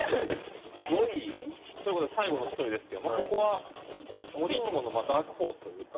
５位？ということで最後の１人ですけどここは森一門のダークホースというか。